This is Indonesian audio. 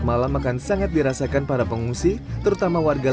malam makan sangat dirasakan pada pengguna ngasi agar penting banyak di rumit